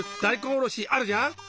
大根おろしあるじゃん？